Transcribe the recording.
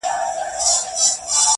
د شهیدانو هدیرې جوړي سي٫